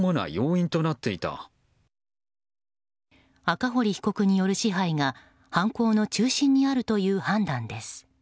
赤堀被告による支配が犯行の中心にあるという判断です。